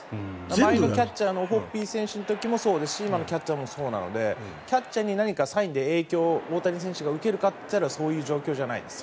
前のキャッチャーのオホッピー選手の時もそうですし今のキャッチャーもそうなのでキャッチャーに何かサインで影響、大谷選手が受けるかというとそういう状況ではないです。